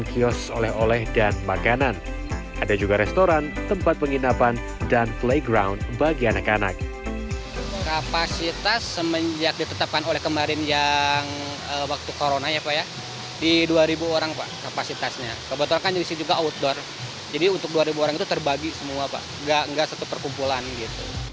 kebetulan kan disini juga outdoor jadi untuk dua ribu orang itu terbagi semua pak nggak satu perkumpulan gitu